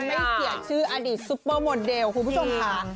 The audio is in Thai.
ไม่เสียชื่ออดีตซุปเปอร์โมเดลคุณผู้ชมค่ะ